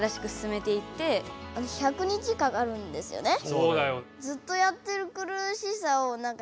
そうだよ。